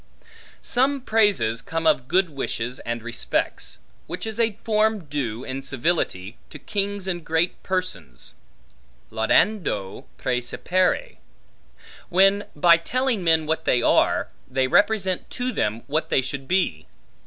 Some praises come of good wishes and respects, which is a form due, in civility, to kings and great persons, laudando praecipere, when by telling men what they are, they represent to them, what they should be.